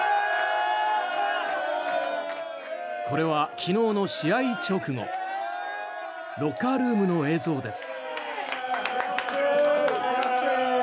これは昨日の試合直後ロッカールームの映像です。